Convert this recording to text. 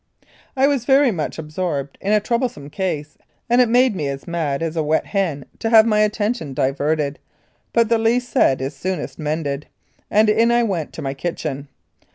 I was very much absorbed in a trouble some case, and it made me as mad as a wet hen to have my attention diverted, but the least said is soonest mended, and in I went to my kitchen.